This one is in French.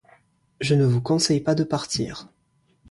Je ne vous conseille pas de partir.